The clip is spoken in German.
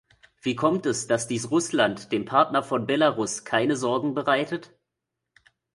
Wie kommt es, dass dies Russland, dem Partner von Belarus, keine Sorgen bereitet?